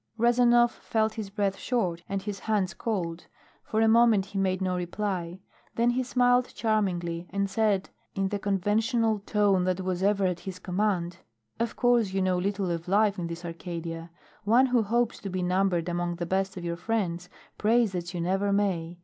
Rezanov felt his breath short and his hands cold. For a moment he made no reply. Then he smiled charmingly and said in the conventional tone that was ever at his command: "Of course you know little of life in this Arcadia. One who hopes to be numbered among the best of your friends prays that you never may.